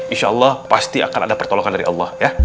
insyaallah pasti akan ada pertolongan dari allah ya